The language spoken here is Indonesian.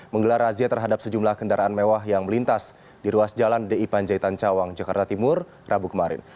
menggelar razia terhadap sejumlah kendaraan mewah yang melintas di ruas jalan di panjaitan cawang jakarta timur rabu kemarin